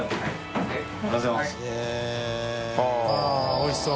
おいしそう。